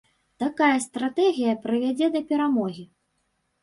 Такая стратэгія прывядзе да перамогі.